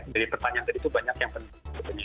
dari pertanyaan tadi itu banyak yang penting